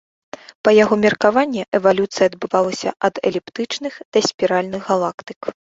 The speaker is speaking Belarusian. Па яго меркаванні эвалюцыя адбывалася ад эліптычных да спіральных галактык.